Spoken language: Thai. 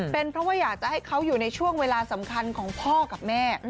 เป็นเพราะว่าอยากจะให้เขาอยู่ในช่วงเวลาสำคัญของพ่อกับแม่